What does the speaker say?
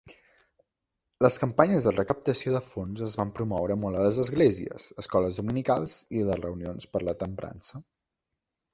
Les campanyes de recaptació de fons es van promoure molt a les esglésies, escoles dominicals i les reunions per la temprança.